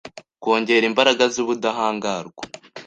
kongera imbaraga z’ubudahangarwa